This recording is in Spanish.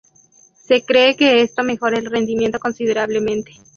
Se cree que esto mejora el rendimiento considerablemente.